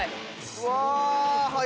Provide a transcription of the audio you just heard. うわ。